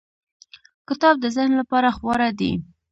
• کتاب د ذهن لپاره خواړه دی.